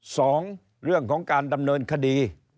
สองเรื่องของการดำเนินคดี